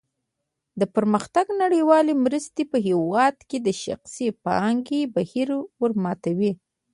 د پرمختګ نړیوالې مرستې په هېواد کې د شخصي پانګې بهیر ورماتوي.